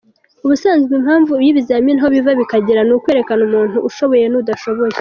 Ubusanzwe impamvu y’ibizamini aho biva bikagera ni ukwerekana umuntu ushoboye n’udashoboye.